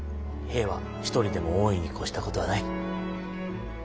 兵は一人でも多いに越したことはない。